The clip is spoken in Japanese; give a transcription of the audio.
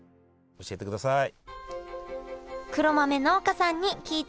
教えてください。